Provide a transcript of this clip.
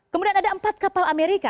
kemudian ada empat kapal amerika